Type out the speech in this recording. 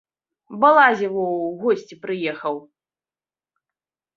Балазе во ў госці прыехаў.